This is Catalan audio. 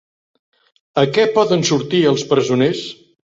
A què poden sortir els presoners?